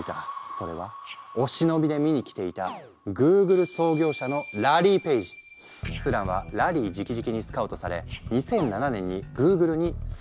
それはお忍びで見に来ていたスランはラリーじきじきにスカウトされ２００７年にグーグルに参画。